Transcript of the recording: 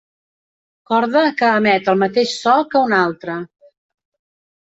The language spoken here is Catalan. Corda que emet el mateix so que una altra.